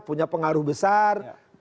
punya pengaruh besar